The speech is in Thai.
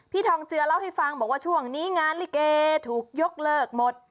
ทองเจือเล่าให้ฟังบอกว่าช่วงนี้งานลิเกถูกยกเลิกหมด